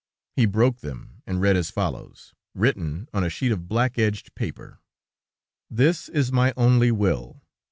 He broke them and read as follows, written on a sheet of black edged paper: "'This is my only will.